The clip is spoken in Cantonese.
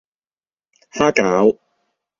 蝦餃